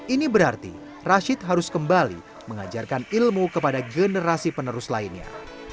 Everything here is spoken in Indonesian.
ini berarti rashid harus kembali mengajarkan ilmu kepada generasi penerus lainnya